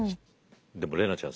でも怜奈ちゃんさ